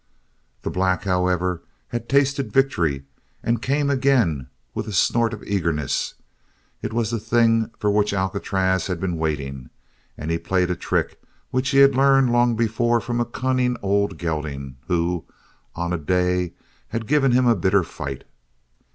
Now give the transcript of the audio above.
The black, however, had tasted victory, and came again with a snort of eagerness. It was the thing for which Alcatraz had been waiting and he played a trick which he had learned long before from a cunning old gelding who, on a day, had given him a bitter fight.